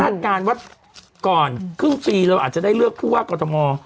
การว่าก่อนครึ่งปีเราอาจจะได้เลือกผู้ว่ากอทม